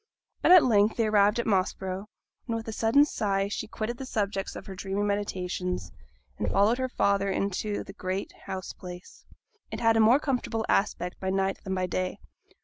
But at length they arrived at Moss Brow, and with a sudden sigh she quitted the subjects of her dreamy meditations, and followed her father into the great house place. It had a more comfortable aspect by night than by day.